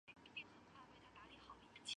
出身于山形县上山市。